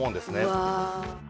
うわ。